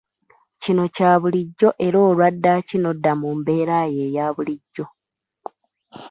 Kino kya bulijjo era olwa ddaaki nodda mu mbeera yo eya bulijjo.